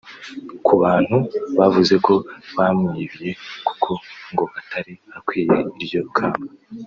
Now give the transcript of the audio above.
Ku bantu bavuze ko bamwibiye kuko ngo atari akwiye iryo kamba